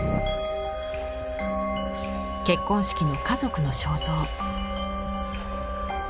結婚式の家族の肖像。